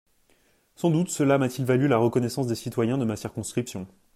Sans doute cela m’a-t-il valu la reconnaissance des citoyens de ma circonscription.